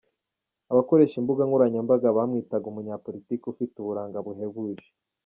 Abakoresha imbuga nkoranyambaga bamwitaga umunyapolitiki ufite uburanga buhebuje.